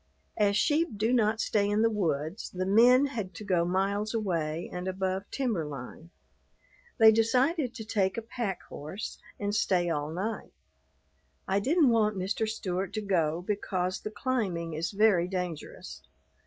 As sheep do not stay in the woods, the men had to go miles away and above timber line. They decided to take a pack horse and stay all night. I didn't want Mr. Stewart to go because the climbing is very dangerous.